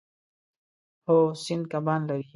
هو، سیند کبان لري